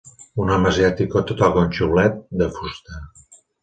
Un home asiàtic toca un xiulet de fusta.